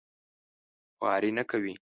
خواري نه کوي.